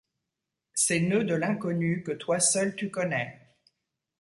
Ces noeuds de l’Inconnu que toi seul tu connais ;